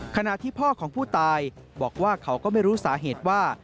ขณะที่พ่อของผู้ตายบอกว่าเขาก็ไม่รู้สาเหตุว่า